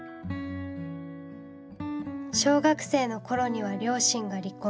小学生の頃には両親が離婚。